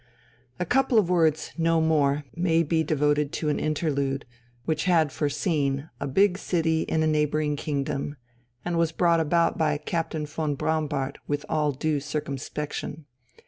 A couple of words, no more, may be devoted to an interlude, which had for scene a big city in a neighbouring kingdom, and was brought about by Captain von Braunbart with all due circumspection.